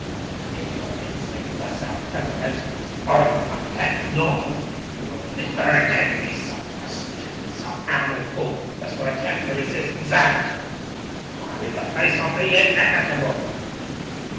And if your instinct for self preservation is only one tenth normal, you will never again be such a stupid sub animal fool as to attempt to resist Xantra to fly in the face of the inevitable!"